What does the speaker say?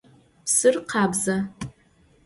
Psır khabze.